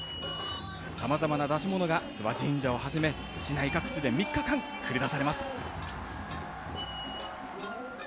さまざまな出し物が諏訪神社をはじめ、市内各地で３日間繰り出されます。